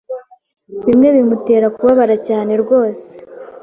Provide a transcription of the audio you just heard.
bimwe bimutera kubabara, cyane rwose